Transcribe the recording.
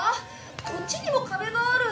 こっちにも壁がある。